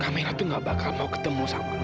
kamilah tuh gak bakal mau ketemu sama lu